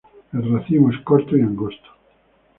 El racimo es corto y angosto.